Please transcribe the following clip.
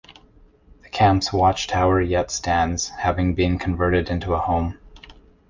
The camp's watchtower yet stands, having been converted into a home.